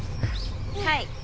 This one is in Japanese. はい。